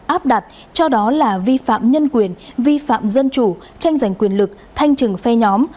áp đặt cho đó là vi phạm nhân quyền vi phạm dân chủ tranh giành quyền lực thanh trừng phe nhóm